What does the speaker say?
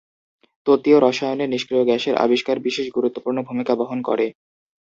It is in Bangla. তত্ত্বীয় রসায়নে নিষ্ক্রিয় গ্যাসের আবিষ্কার বিশেষ গুরুত্বপূর্ণ ভূমিকা বহন করে।